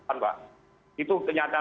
pemukulan mbak itu kenyataan